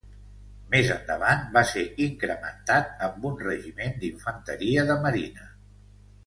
Més endavant va ser incrementat amb un regiment d'Infanteria de marina.